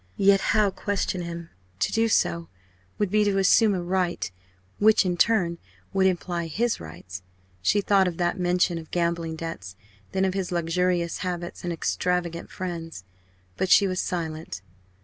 Yet how question him? To do so, would be to assume a right, which in turn would imply his rights. She thought of that mention of "gambling debts," then of his luxurious habits, and extravagant friends. But she was silent.